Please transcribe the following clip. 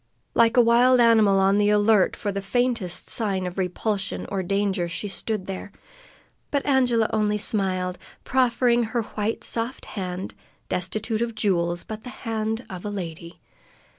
Like a wild animal on the alert for the faintest sign of repulsion or danger, she stood there, but Angela only smiled, proffering her white, soft hand, destitute of jewels, but the hand of a lady.